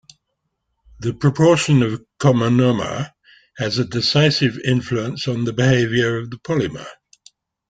The proportion of comonomer has a decisive influence on the behaviour of the polymer.